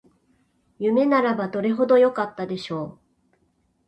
夢ならばどれほどよかったでしょう